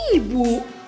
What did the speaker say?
ihh buat kamu aja